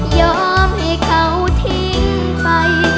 ยอมให้เขาทิ้งไป